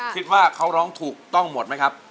คิดว่าเขาร้องถูกต้องหมดไหมครับ